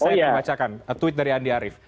saya akan bacakan tweet dari andi arief